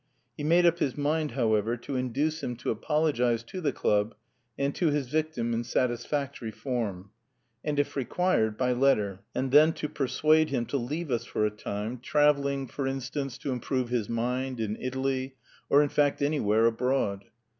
He made up his mind, however, to induce him to apologise to the club and to his victim in satisfactory form, and, if required, by letter, and then to persuade him to leave us for a time, travelling, for instance, to improve his mind, in Italy, or in fact anywhere abroad.